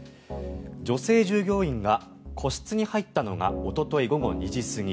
女性従業員が個室に入ったのがおととい午後２時過ぎ。